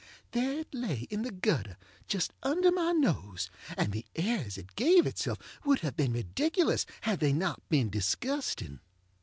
There it lay in the gutter just under my nose, and the airs it gave itself would have been ridiculous had they not been disgusting.